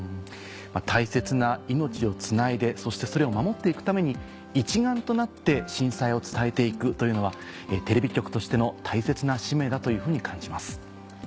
大切な命をつないでそしてそれを守っていくために一丸となって震災を伝えていくというのはテレビ局としての大切な使命だというふうに感じます。